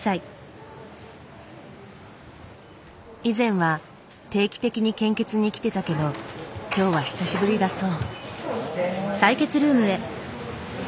以前は定期的に献血に来てたけど今日は久しぶりだそう。